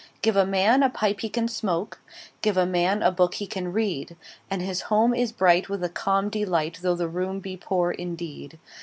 Give a man a pipe he can smoke, 5 Give a man a book he can read: And his home is bright with a calm delight, Though the room be poor indeed.